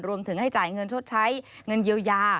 รวมถึงให้จ่ายเงินชดใช้เงินเยียวยา